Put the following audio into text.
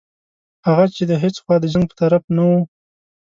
هغه چې د هیڅ خوا د جنګ په طرف نه وو.